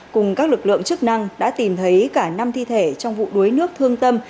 cùng các lực lượng chức năng đã tìm thấy cả năm thi thể trong vụ đuối nước thương tâm